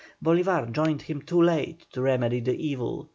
Bolívar joined him too late to remedy the evil.